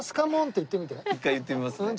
一回言ってみますね。